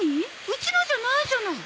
うちのじゃないじゃない。